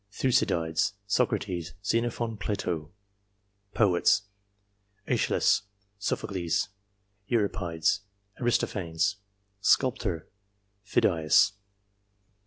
Thucydides, Socrates, Xenophon, Plato. Poets. JEschylus, Sophocles, Euripides, Aristophanes. Sculptor. Phidias.